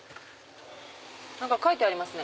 何か書いてありますね